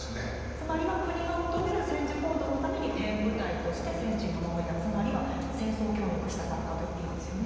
つまりは国が求める戦時報道のためにペン部隊として戦地に赴いたつまりは戦争協力した作家と言っていいんですよね。